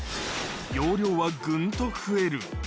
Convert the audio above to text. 容量はぐんと増える。